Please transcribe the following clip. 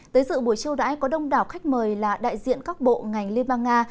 tới dự buổi chiêu đãi có đông đảo khách mời là đại diện các bộ ngành liên bang nga